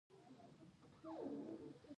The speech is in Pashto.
غیرت یو فطري احساس دی